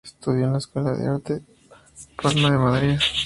Estudió en la Escuela de Arte La Palma de Madrid.